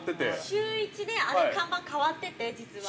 ◆週１で看板変わってて、実は。